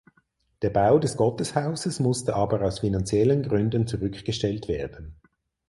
Der Bau des Gotteshauses musste aber aus finanziellen Gründen zurückgestellt werden.